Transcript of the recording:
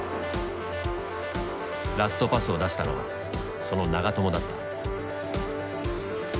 ラストパスを出したのはその長友だった。